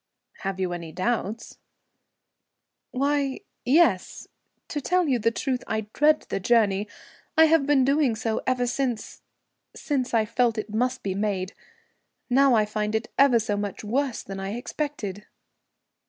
"Have you any doubts?" "Why, yes. To tell you the truth, I dread the journey. I have been doing so ever since since I felt it must be made. Now I find it ever so much worse than I expected."